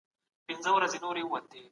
ليکوال بايد د ټولني په کچه فکر وکړي.